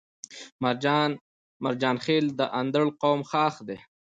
مرجان خيل د اندړ قوم خاښ دی